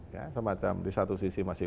ya semacam di satu sisi masih